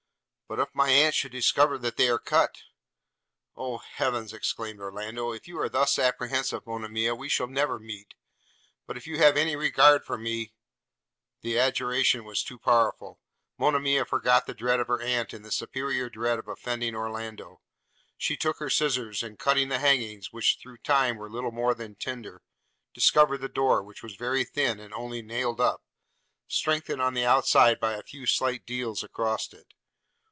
'But if my aunt should discover that they are cut?' 'Oh heavens,' exclaimed Orlando, 'if you are thus apprehensive, Monimia, we shall never meet; but if you have any regard for me' – The adjuration was too powerful: Monimia forgot the dread of her aunt in the superior dread of offending Orlando. She took her scissars, and, cutting the hangings, which through time were little more than tinder, discovered the door, which was very thin and only nailed up, strengthened on the outside by a few slight deals across it.